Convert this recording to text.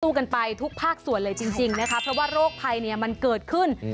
ตู้กันไปทุกภาคส่วนเลยจริงนะครับเพราะโรคภัยมันเกิดขึ้น